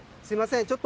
すみません